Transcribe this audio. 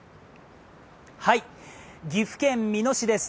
岐阜県美濃市です。